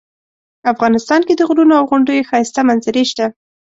افغانستان کې د غرونو او غونډیو ښایسته منظرې شته